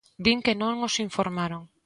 Din que non os informaron.